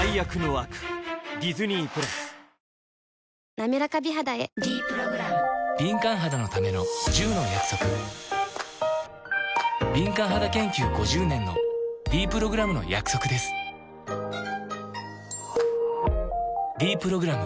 なめらか美肌へ「ｄプログラム」敏感肌研究５０年のｄプログラムの約束です「ｄプログラム」